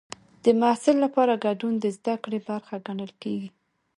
د محصل لپاره ګډون د زده کړې برخه ګڼل کېږي.